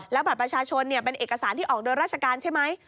บัตรประชาชนเป็นเอกสารที่ออกโดยราชการใช่ไหม